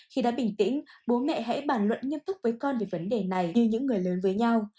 khi đã bình tĩnh bố mẹ hãy bàn luận nghiêm túc với con về vấn đề này như những người lớn với nhau